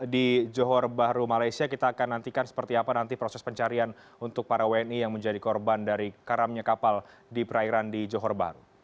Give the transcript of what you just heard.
di johor bahru malaysia kita akan nantikan seperti apa nanti proses pencarian untuk para wni yang menjadi korban dari karamnya kapal di perairan di johor baru